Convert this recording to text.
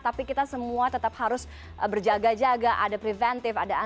tapi kita semua tetap berpikir bahwa kita harus berpikir bahwa kita harus berpikir bahwa kita harus berpikir